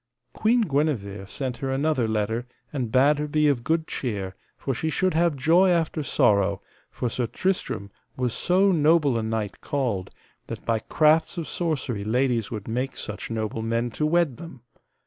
Queen Guenever sent her another letter, and bade her be of good cheer, for she should have joy after sorrow, for Sir Tristram was so noble a knight called, that by crafts of sorcery ladies would make such noble men to wed them.